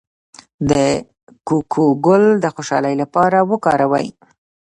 د کوکو ګل د خوشحالۍ لپاره وکاروئ